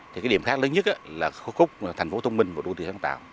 thì cái điểm khác lớn nhất là khu khúc thành phố thông minh và đô thị sáng tạo